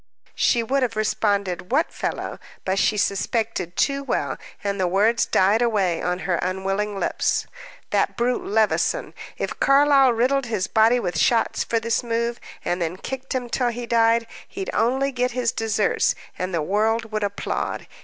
She would have responded, what fellow? But she suspected too well, and the words died away on her unwilling lips. "That brute, Levison. If Carlyle riddled his body with shots for this move, and then kicked him till he died, he'd only get his deserts, and the world would applaud.